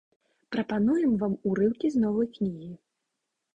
Прапануем вам урыўкі з новай кнігі.